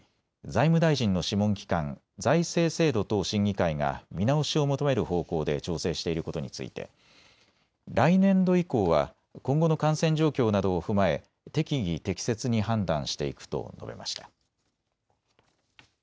財務大臣の諮問機関、財政制度等審議会が見直しを求める方向で調整していることについて来年度以降は今後の感染状況などを踏まえ、適宜適切に判断していくと述べました。